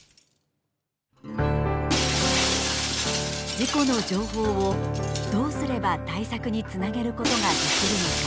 事故の情報をどうすれば対策につなげることができるのか。